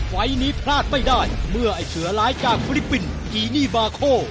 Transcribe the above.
ไหว้นี้พลาดไม่ได้เมื่อไอ้เสือร้ายกากบริปินกินี่บาโค